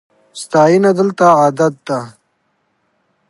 ستاینه دلته عادت ده.